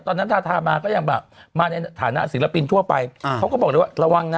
ทาทามาก็ยังแบบมาในฐานะศิลปินทั่วไปเขาก็บอกเลยว่าระวังนะ